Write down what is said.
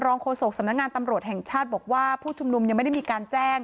โฆษกสำนักงานตำรวจแห่งชาติบอกว่าผู้ชุมนุมยังไม่ได้มีการแจ้ง